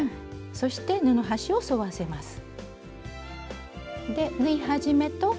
そして布端を沿わせます。